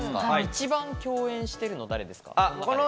一番共演してるの誰ですか？